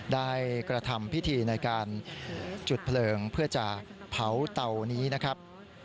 ได้กระทำพิธีในการจุดเพลิงเพื่อจะเผาเตานี้นะครับ